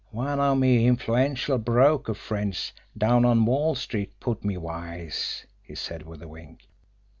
"One of me influential broker friends down on Wall Street put me wise," he said, with a wink.